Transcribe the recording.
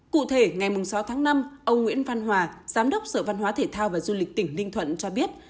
cụ thể ngày sáu tháng năm ông nguyễn văn hòa giám đốc sở văn hóa thể thao và du lịch tỉnh ninh thuận cho biết